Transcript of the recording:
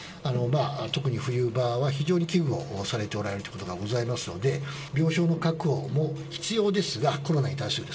特に冬場は非常に危惧をされておられるということがございますので、病床の確保も必要ですが、コロナに対する。